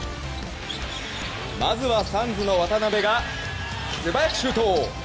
まずは、サンズの渡邊が素早くシュート。